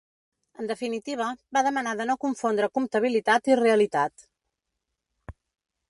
En definitiva, va demanar de no confondre comptabilitat i realitat.